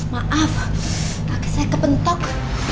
maaf aku saya kepentok